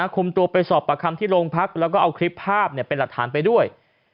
คุมตัวไปสอบประคำที่โรงพักแล้วก็เอาคลิปภาพเป็นหลักฐานไปด้วย